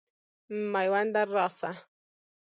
مېونده راسه.